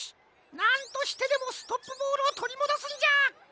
なんとしてでもストップボールをとりもどすんじゃっ！